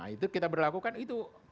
itu kita berlakukan itu